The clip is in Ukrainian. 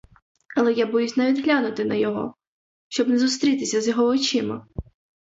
Але я боюсь навіть глянути на його, щоб не зустрітися з його очима.